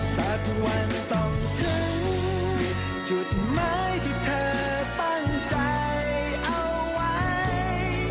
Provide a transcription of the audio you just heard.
สักวันต้องถึงจุดหมายที่เธอตั้งใจเอาไว้